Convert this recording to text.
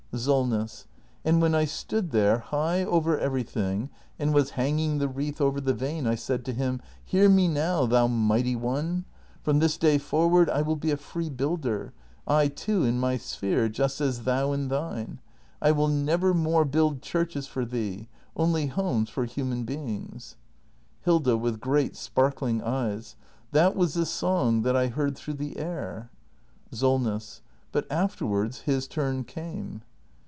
Solness. And when I stood there, high over everything, and was hanging the wreath over the vane, I said to him: Hear me now, thou Mighty One! From this day forward I will be a free builder — I too, in my sphere — just as thou in thine. I will never more build churches for thee — only homes for human beings. Hilda. [With great sparkling cijes.] That was the song that I heard through the air! Solness. But afterwards his turn came.